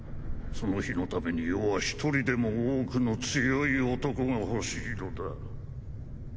その日のために余は１人でも多くの強い男が欲しいのだ。